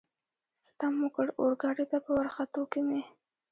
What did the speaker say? ستم وکړ، اورګاډي ته په ورختو کې مې.